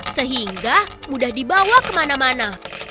sehingga mudah dibawa kemana mana